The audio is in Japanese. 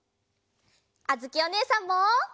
あづきおねえさんも！